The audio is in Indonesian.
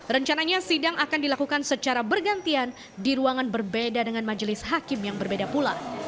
rencananya sidang akan dilakukan secara bergantian di ruangan berbeda dengan majelis hakim yang berbeda pula